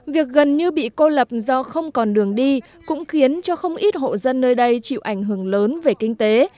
việc gần như bị cô lập do không còn đường đi cũng khiến cho không ít hộ dân nơi đây chịu ảnh hưởng lớn về kinh tế